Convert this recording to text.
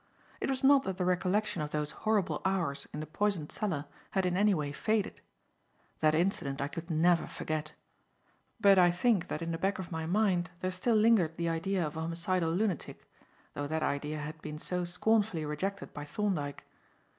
It was not that the recollection of those horrible hours in the poisoned cellar had in any way faded. That incident I could never forget. But I think, that in the back of my mind, there still lingered the idea of a homicidal lunatic; though that idea had been so scornfully rejected by Thorndyke.